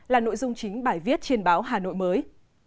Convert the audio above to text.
là nội dung chính bài viết trên báo hà nội mới